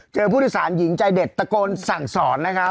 เจอผู้นุศาลหญิงใจเด็ดตะโกนสั่งสร